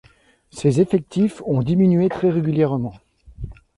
Ses effectifs ont diminué très régulièrement.